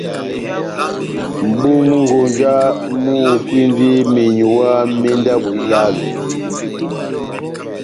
mʼbúmwi-konja múhukwindi menyuwa mé ndabo ilálo.